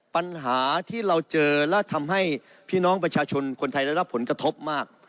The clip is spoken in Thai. ปัญหาที่เราเจอและทำให้พี่น้องประชาชนคนไทยได้รับผลกระทบมาก